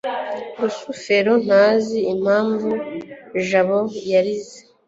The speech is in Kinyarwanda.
rusufero ntazi impamvu jabo yarize